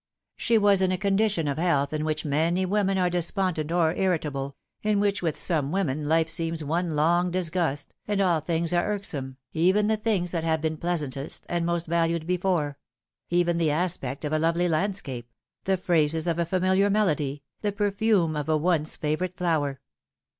She was in a condition of health The Rift in the Lute. 269 ift which many women are despondent or irritable in which with some women life seems one long disgust, and all things are irksome, even the things that have been pleasantest and most valued before even the aspect of a lovely landscape, the phrases of a familiar melody, the perfume of a once favourite flower.